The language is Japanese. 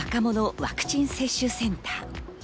ワクチン接種センター。